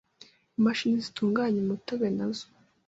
Imashini zitunganya umutobe na zo